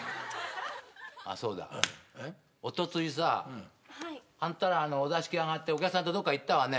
あっそうだおとついさあんたらお座敷上がってお客さんとどっか行ったわね？